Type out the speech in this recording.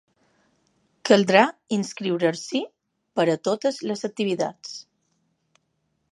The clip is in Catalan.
Caldrà inscriure-s’hi per a totes les activitats.